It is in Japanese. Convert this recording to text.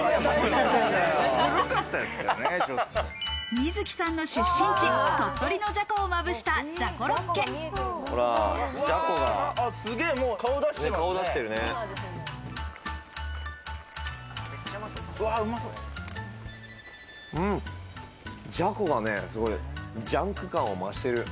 水木さんの出身地、鳥取のじじゃこが顔を出してるね。